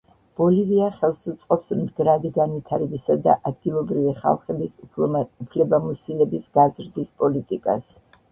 ბოლივია ხელს უწყობს მდგრადი განვითარებისა და ადგილობრივი ხალხების უფლებამოსილების გაზრდის პოლიტიკას.